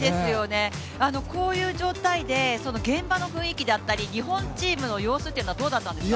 こういう状態で、現場の雰囲気だったり日本チームの様子っていうのはどうだったんですか？